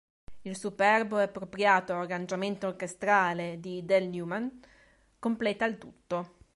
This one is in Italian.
Il superbo e appropriato arrangiamento orchestrale di Del Newman completa il tutto.